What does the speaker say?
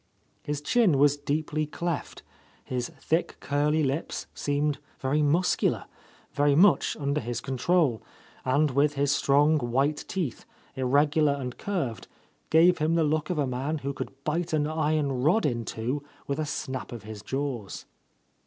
His chin was deeply cleft, his thick curly lips seemed very muscular, very much under his control, and, with his strong white teeth, irregular and curved, gave him the look of a man who could bite an iron rod in two with a snap of his jaws.